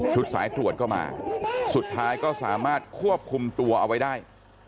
สายตรวจก็มาสุดท้ายก็สามารถควบคุมตัวเอาไว้ได้